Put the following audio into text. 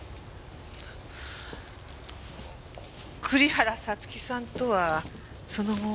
栗原五月さんとはその後？